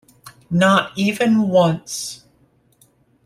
Not even once.